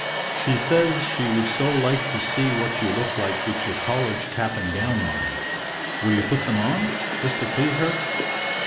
"She says she would so like to see what you look like with your college cap and gown on. Will you put them on, just to please her?"